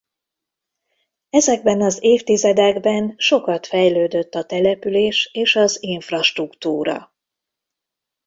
Ezekben az évtizedekben sokat fejlődött a település és az infrastruktúra.